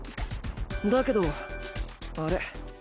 だけどあれ？